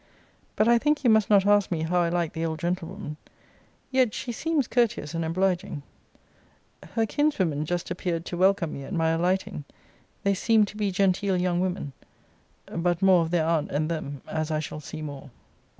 But I think you must not ask me how I like the old gentlewoman. Yet she seems courteous and obliging. Her kinswomen just appeared to welcome me at my alighting. They seemed to be genteel young women. But more of their aunt and them, as I shall see more.